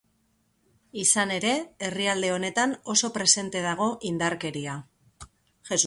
Izan ere, herrialde honetan oso presente dago indarkeria.